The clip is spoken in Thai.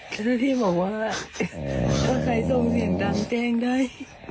เจ้าหน้าที่บอกว่าถ้าใครส่งเสียงดังแจ้งได้